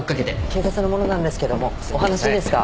警察の者なんですけどもお話いいですか？